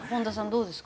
どうですか？